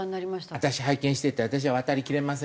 私拝見していて私は渡りきれませんと思いました。